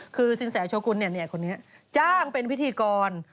คือสินแสโชกุลคนนี้จ้างเป็นพิธีกร